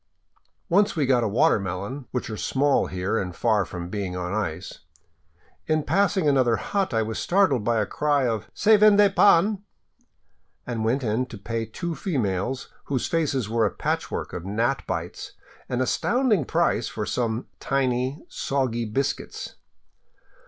Once we got a watermelon, which are small here and far from being on ice. In passing another hut I was startled by a cry of " Se vende pan," and went in to pay two females, whose faces were a patchwork of gnat bites, an astounding price for some tiny, soggy biscuits.